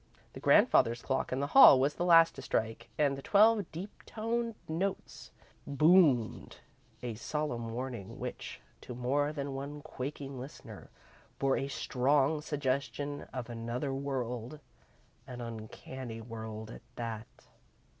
The grandfather's clock in the hall was the last to strike, and the twelve deep toned notes boomed a solemn warning which, to more than one quaking listener, bore a strong suggestion of another world an uncanny world at that.